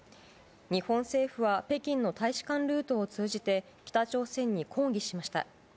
日本政府は北京の大使館ルートを通じて、北朝鮮に抗議しました。